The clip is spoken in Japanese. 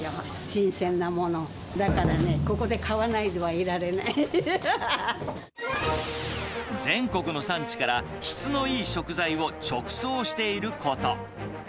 新鮮なもの、だからね、ここで買全国の産地から、質のいい食材を直送していること。